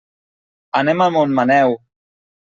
Anem a Montmaneu.